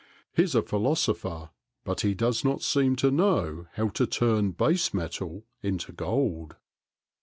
He 's a philosopher, but he does not seem to know how to turn base metal into gold."